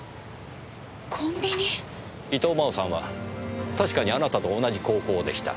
伊藤真央さんは確かにあなたと同じ高校でした。